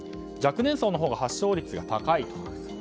若年層のほうが発症率が高い。